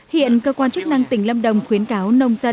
hiện cơ quan chức năng tỉnh lâm đồng khuyến cáo nông dân